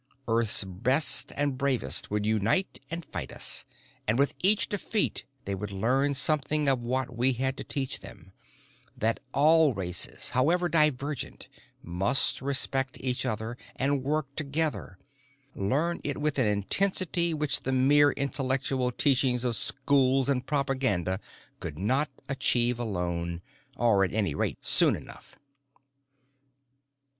Earth's best and bravest would unite and fight us, and with each defeat they would learn something of what we had to teach them, that all races, however divergent, must respect each other and work together, learn it with an intensity which the merely intellectual teaching of schools and propaganda could not achieve alone or, at any rate, soon enough.